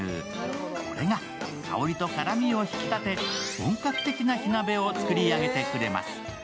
これが香りと辛みを引き立て、本格的な火鍋を作り上げてくれます。